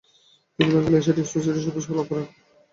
তিনি বেঙ্গালি এশিয়াটিক সোসাইটির সদস্যপদ লাভ করেন।